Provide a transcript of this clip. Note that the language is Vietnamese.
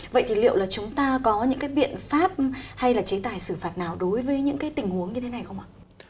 vậy thì liệu là chúng ta có những cái biện pháp hay là chế tài xử phạt nào đối với những cái tình huống như thế này không ạ